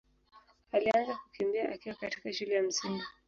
alianza kukimbia akiwa katika shule ya Msingi.